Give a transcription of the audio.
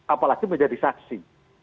apalagi menjadi saksi